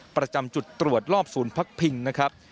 ประจำจุดตรวจรอบศูนย์พักพิงนะครับ